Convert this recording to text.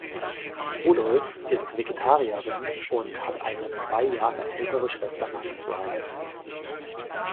Rudolph ist Vegetarierin und hat eine zwei Jahre ältere Schwester namens Rhys.